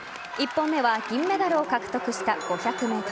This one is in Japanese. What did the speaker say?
１本目は銀メダルを獲得した５００ｍ。